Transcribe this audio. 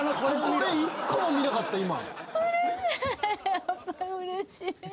これ１個も見なかった今。